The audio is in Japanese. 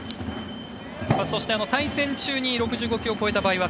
そして対戦中に６５球を超えた場合は